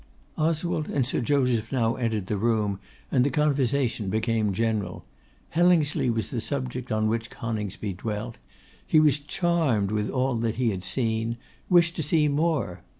Oswald and Sir Joseph now entered the room, and the conversation became general. Hellingsley was the subject on which Coningsby dwelt; he was charmed with all that he had seen! wished to see more.